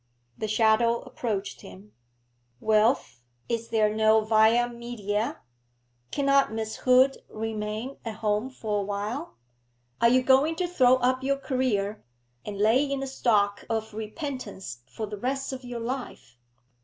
The shadow approached him. 'Wilf, is there no via media? Cannot Miss Hood remain at home for a while? Are you going to throw up your career, and lay in a stock of repentance for the rest of your life?'